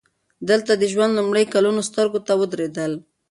دلته د ژوند لومړي کلونه سترګو ته ودرېدل